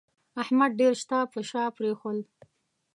احمد ډېر شته پر شا پرېښول